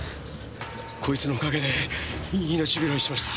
こいつのお陰で命拾いしました。